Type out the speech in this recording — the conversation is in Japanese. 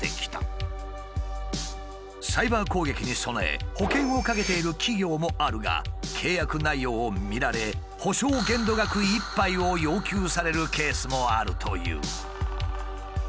サイバー攻撃に備え保険をかけている企業もあるが契約内容を見られ補償限度額いっぱいを要求されるケースもあるという。